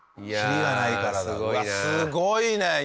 いやあすごいな。